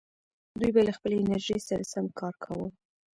دوی به له خپلې انرژۍ سره سم کار کاوه.